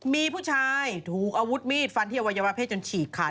มีผู้ชายถูกอาวุธมีดฟันที่อวัยวะเพศจนฉีกขาด